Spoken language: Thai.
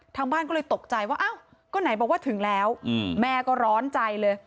ทางบ้านก็เลยตกใจว่าอ้าวก็ไหนบอกว่าถึงแล้วแม่ก็ร้อนใจเลย